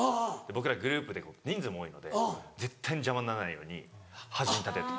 僕らグループで人数も多いので絶対に邪魔にならないように「端に立て」と。